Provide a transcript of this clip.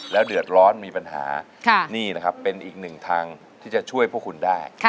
แล้วเดือดร้อนมีปัญหานี่นะครับเป็นอีกหนึ่งทางที่จะช่วยพวกคุณได้